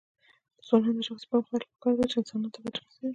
د ځوانانو د شخصي پرمختګ لپاره پکار ده چې انسانانو ته ګټه رسوي.